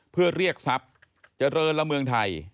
เพื่อเรียกทรัพย์เจริญละเมืองไทย